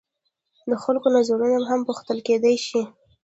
د خلکو نظرونه هم پوښتل کیدای شي.